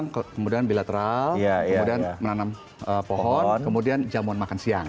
kemudian bilateral kemudian menanam pohon kemudian jamuan makan siang